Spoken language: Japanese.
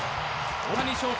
大谷翔平